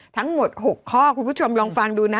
ทั้งหมด๖ข้อคุณผู้ชมลองฟังดูนะ